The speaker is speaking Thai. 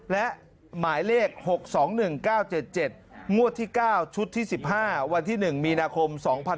และหมายเลข๖๒๑๙๗๗ม๙ชุด๑๕วันที่๑มีนาคม๒๐๖๓